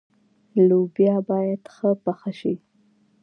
لوبیا باید ښه پخه شي.